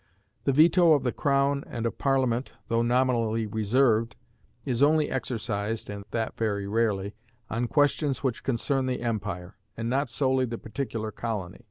The veto of the crown and of Parliament, though nominally reserved, is only exercised (and that very rarely) on questions which concern the empire, and not solely the particular colony.